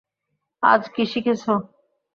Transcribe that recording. আজ কি শিখেছো?